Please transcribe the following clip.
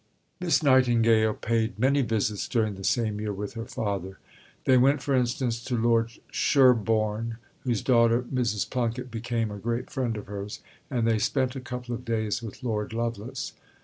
Miss Nightingale paid many visits during the same year with her father. They went, for instance, to Lord Sherborne, whose daughter, Mrs. Plunkett, became a great friend of hers; and they spent a couple of days with Lord Lovelace.